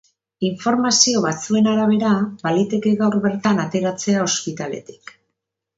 Informazio batzuen arabera, baliteke gaur bertan ateratzea ospitaletik.